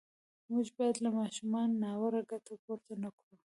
موږ باید له ماشومانو ناوړه ګټه پورته نه کړو.